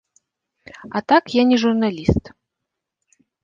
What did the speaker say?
А так я не журналіст.